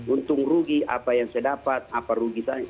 untung rugi apa yang saya dapat apa rugi saya